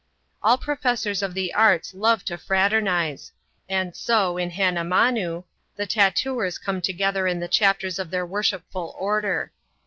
All professors of the arts love to fraternize ; and so, in Han namanoo, the tattooers came together in the chapters of their worshipful order.